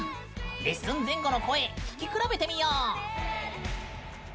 レッスン前後の声聞き比べてみよう！